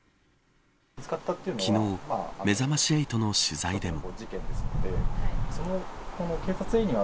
昨日、めざまし８の取材でも。